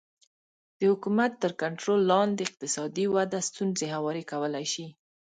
د حکومت تر کنټرول لاندې اقتصادي وده ستونزې هوارې کولی شي